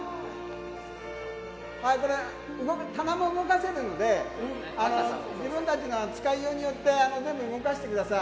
これ、棚も動かせるんで、自分たちの扱い用によって、全部動かしてください。